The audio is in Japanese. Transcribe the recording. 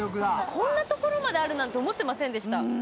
こんなところまであるなんて思ってませんでした。